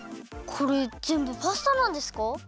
これぜんぶパスタなんですか？